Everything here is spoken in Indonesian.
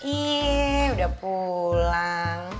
iih udah pulang